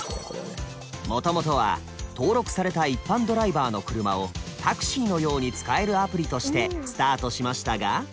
もともとは登録された一般ドライバーの車をタクシーのように使えるアプリとしてスタートしましたが